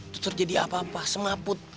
terjadi apa apa semaput